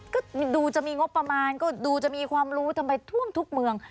ก็ดูจะมีงบประมาณก็ดูจะมีความรู้ทำไมท่วมทุกเมือง